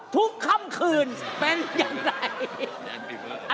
ทุกค่ำคืนเป็นอย่างไร